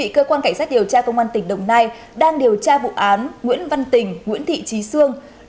cơ quan cảnh sát điều tra công an tỉnh đồng nai đang điều tra vụ án nguyễn văn tình nguyễn thị trí sương